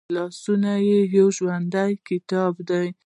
لاسونه یو ژوندی کتاب دی